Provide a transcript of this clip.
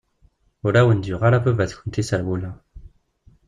Ur awent-d-yuɣ ara baba-tkent iserwula.